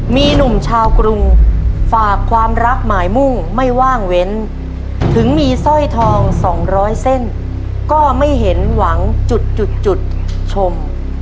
มีหนุ่มชาวกรุงฝากความรักหมายมุ่งไม่ว่างเว้นถึงมีสร้อยทอง๒๐๐เส้นก็ไม่เห็นหวังจุดจุดชม